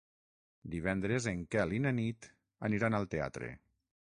Divendres en Quel i na Nit aniran al teatre.